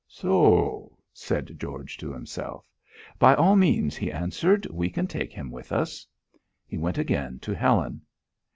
"Soh!" said George to himself. "By all means," he answered. "We can take him with us." He went again to Helen.